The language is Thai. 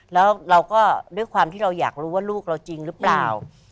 แล้วเราก็ด้วยความที่เราอยากรู้ว่าลูกเราจริงหรือเปล่า